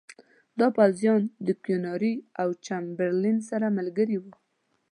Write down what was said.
دا پوځیان د کیوناري او چمبرلین سره ملګري وو.